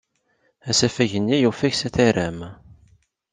Asafag-nni yufeg s ataram.